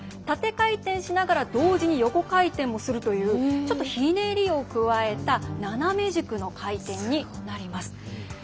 縦回転しながら同時に横回転もするというちょっとひねりを加えた斜め軸の回転になります。